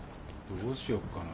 どうしよっかな。